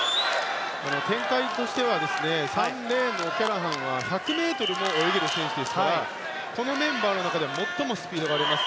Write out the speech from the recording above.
展開としては３レーンのオキャラハンは１００ｍも泳げる選手ですからこのメンバーの中では最もスピードがあります。